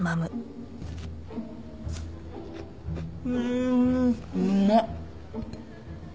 んうまっ。